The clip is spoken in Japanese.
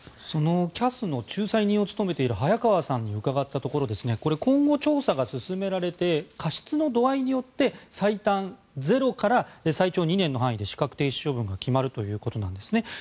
そのＣＡＳの仲裁人を務めている早川さんに伺ったところ今後、調査が進められて過失の度合いによって最短０から最長２年の範囲で資格停止処分が決まるということなんですね。